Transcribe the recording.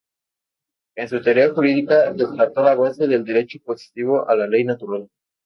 En su teoría jurídica descartó la base del derecho positivo de la ley natural.